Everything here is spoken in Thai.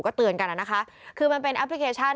ก็เตือนกันนะคะคือมันเป็นแอปพลิเคชัน